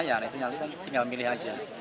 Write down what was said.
ya tinggal milih aja